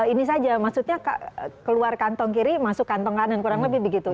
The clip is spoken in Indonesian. ini saja maksudnya keluar kantong kiri masuk kantong kanan kurang lebih begitu